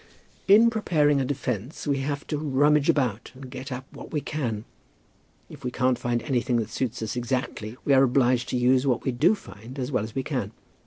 "In preparing a defence we have to rummage about and get up what we can. If we can't find anything that suits us exactly, we are obliged to use what we do find as well as we can.